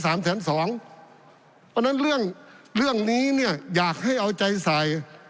เพราะฉะนั้นเรื่องนี้เนี่ยอยากให้เอาใจใส่